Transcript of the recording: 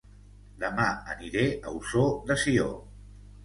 Dema aniré a Ossó de Sió